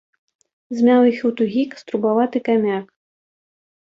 Змяў іх у тугі каструбаваты камяк.